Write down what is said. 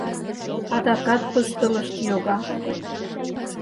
Адакат пыстылышт йога.